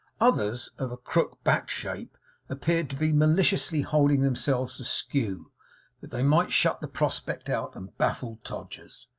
Others, of a crook backed shape, appeared to be maliciously holding themselves askew, that they might shut the prospect out and baffle Todgers's.